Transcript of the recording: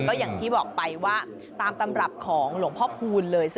ก็อย่างที่บอกไปว่าตามตำรับของหลวงพ่อคูณเลย